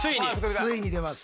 ついに出ます。